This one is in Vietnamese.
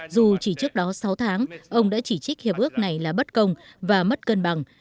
dù chỉ trước đó sáu tháng ông đã chỉ trích hiệp ước này là bất công và mất cân bằng